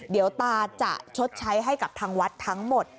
เดี๋ยวตาจะชดใช้ให้กับทางวัดทั้งหมด